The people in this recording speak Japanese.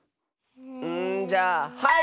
んじゃあはい！